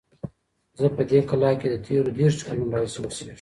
زه په دې کلا کې د تېرو دېرشو کلونو راهیسې اوسیږم.